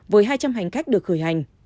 với hai trăm linh hành khách được khởi hành